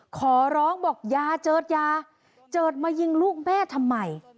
ขอร้องบอกอย่าเจิดยาเจิดมายิงลูกแม่ทำไม